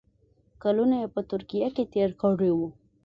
کلونه یې په ترکیه کې تېر کړي وو.